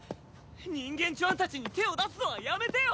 人間ちゅわんたちに手を出すのはやめてよ！